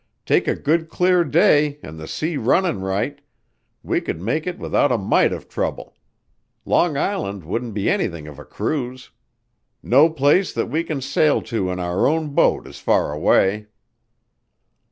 Take a good clear day an' the sea runnin' right, we could make it without a mite of trouble. Long Island wouldn't be anything of a cruise. No place that we can sail to in our own boat is fur away."